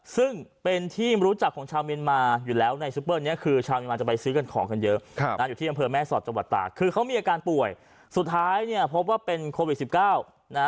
ซึ่งเป็นที่รู้จักของชาวเมียนมาร์อยู่แล้วในซูเปอร์คือชาวเมียนมาร์จะไปซื้อของกันเยอะ